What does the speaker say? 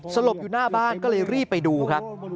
สลบอยู่หน้าบ้านก็เลยรีบไปดูครับ